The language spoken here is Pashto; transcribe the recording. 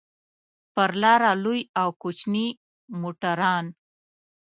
پر لاره لوی او کوچني موټران.